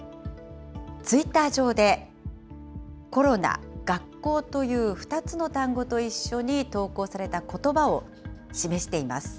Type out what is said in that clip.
ツイッター上で、コロナ、学校という２つの単語と一緒に投稿されたことばを示しています。